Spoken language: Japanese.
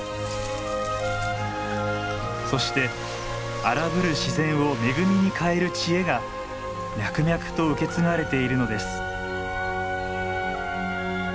そして荒ぶる自然を恵みに変える知恵が脈々と受け継がれているのです。